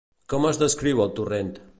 Com es descriu el torrent?